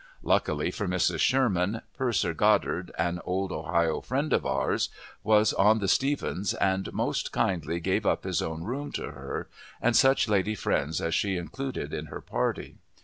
Luckily for Mrs. Sherman, Purser Goddard, an old Ohio friend of ours, was on the Stephens, and most kindly gave up his own room to her, and such lady friends as she included in her party.